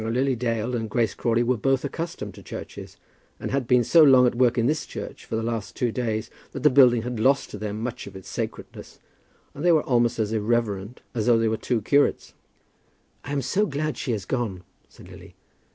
Now Lily Dale and Grace Crawley were both accustomed to churches, and had been so long at work in this church for the last two days, that the building had lost to them much of its sacredness, and they were almost as irreverent as though they were two curates. "I am so glad she has gone," said Lily.